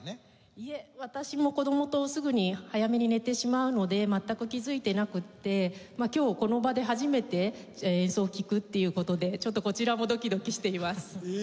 いえ私も子供とすぐに早めに寝てしまうので全く気づいてなくって今日この場で初めて演奏を聴くっていう事でちょっとこちらもドキドキしています。え！